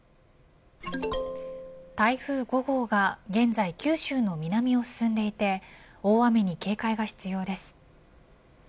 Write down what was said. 台風５号が現在、九州の南を進んでいて大雨に警戒が必要です。